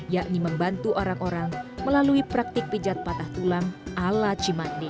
yakni membantu orang orang melalui praktik pijat patah tulang ala cimakne